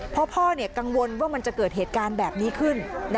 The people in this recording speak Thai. พ่อกังวลว่ามันจะเกิดเหตุการณ์แบบนี้ขึ้น